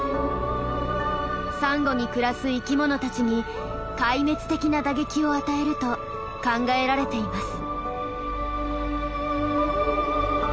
サンゴに暮らす生きものたちに壊滅的な打撃を与えると考えられています。